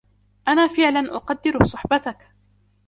أنا فعلا أقدر صحبتك